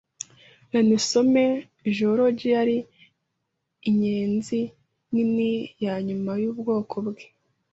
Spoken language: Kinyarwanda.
Lonesome George yari inyenzi nini yanyuma yubwoko bwe.